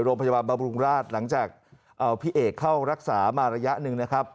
โรงพยาบาลบำรุงราชหลังจากเอาพี่เอกเข้ารักษามาระยะหนึ่งนะครับ